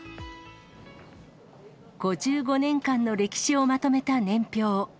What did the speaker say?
５５年間の歴史をまとめた年表。